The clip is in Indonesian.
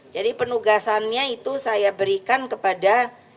jadi penugasannya itu saya berikan kepada